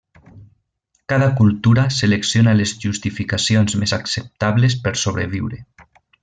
Cada cultura selecciona les justificacions més acceptables per sobreviure.